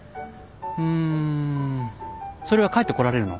うーんそれは帰ってこられるの？